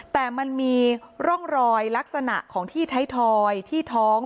แต่มันมีร่องรอยลักษณะของที่ไทยทอยที่ท้อง